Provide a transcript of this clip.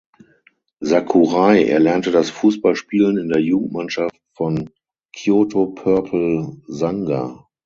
Sakurai erlernte das Fußballspielen in der Jugendmannschaft von Kyoto Purple Sanga.